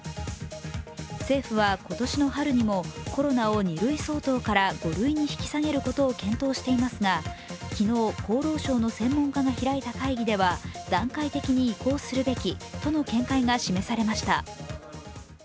政府は今年の春にもコロナを２類相当から５類に引き下げることを検討していますが、昨日、厚労省の専門家が開いた会議では段階的に移行するべきとの見解が示されました。